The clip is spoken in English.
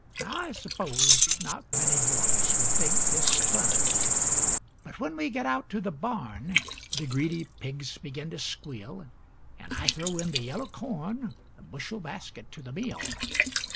Now, I suppose Not many boys would think this fun. But when we get out to the barn The greedy pigs begin to squeal, An' I throw in the yellow corn, A bushel basket to the meal.